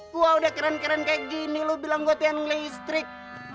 wah udah keren keren kayak gini lo bilang gue tiang listrik